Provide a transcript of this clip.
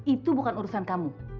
itu bukan urusan kamu